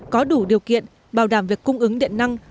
có đủ điều kiện bảo đảm việc cung ứng điện năng